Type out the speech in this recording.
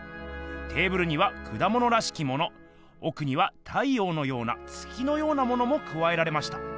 テーブルにはくだものらしきものおくには太ようのような月のようなのもくわえられました。